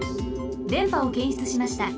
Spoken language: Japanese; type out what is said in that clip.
でんぱをけんしゅつしました。